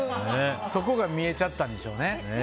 そこが見えちゃったんでしょうね。